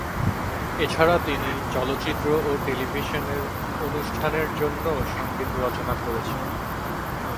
এছাড়া তিনি চলচ্চিত্র ও টেলিভিশনের অনুষ্ঠানের জন্যও সঙ্গীত রচনা করেছেন।